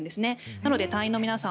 なので隊員の皆さん